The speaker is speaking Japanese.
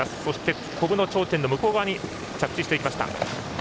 そして、コブの頂点の向こう側に着地しました。